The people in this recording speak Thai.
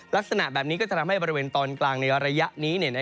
ลักษณะแบบนี้ก็จะทำให้บริเวณตอนกลางในระยะนี้